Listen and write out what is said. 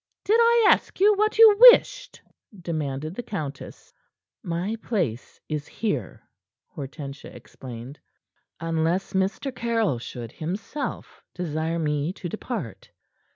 "Did I ask you what you wished?" demanded the countess. "My place is here," Hortensia explained. "Unless Mr. Caryll should, himself, desire me to depart."